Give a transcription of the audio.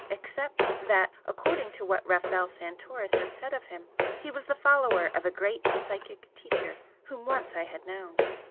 except that, according to what Rafel Santoris had said of him, he was the follower of a great psychic Teacher whom once I had known.